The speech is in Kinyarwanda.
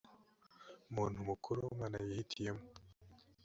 muntu mukuru umwana yihitiyemo